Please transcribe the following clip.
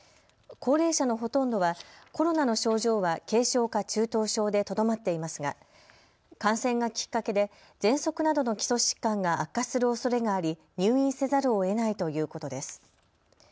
高齢者のほとんどはコロナの症状は軽症か中等症でとどまっていますが感染がきっかけでぜんそくなどの基礎疾患が悪化するおそれがあり入院せざるをえないということです。